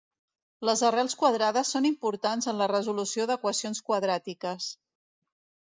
Les arrels quadrades són importants en la resolució d'equacions quadràtiques.